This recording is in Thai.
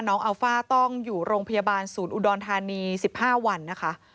น้องอัลฟ้าต้องอยู่โรงพยาบาลสูตรอุดามธานี๑๕วันนะคะ